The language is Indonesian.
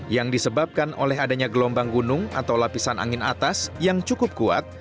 yang disebabkan oleh adanya gelombang gunung atau lapisan angin atas yang cukup kuat